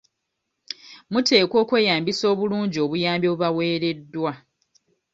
Muteekwa okweyambisa obulungi obuyambi obubaweereddwa.